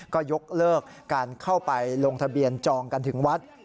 ก็ยกเลิกการเข้าไปลงทะเบียนจองกันถึงวัด